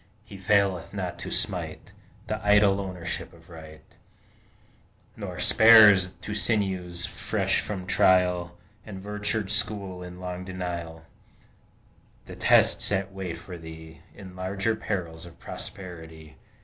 He faileth not to smite The idle ownership of Right, Nor spares to sinews fresh from trial, And virtue schooled in long denial, The tests that wait for thee In larger perils of prosperity.